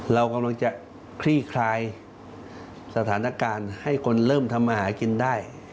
เรากำลังจะคลี่คลายสถานการณ์ให้คนเริ่มทำมาหากินได้